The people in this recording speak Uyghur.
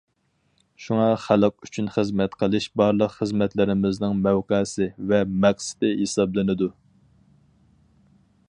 شۇڭا خەلق ئۈچۈن خىزمەت قىلىش بارلىق خىزمەتلىرىمىزنىڭ مەۋقەسى ۋە مەقسىتى ھېسابلىنىدۇ.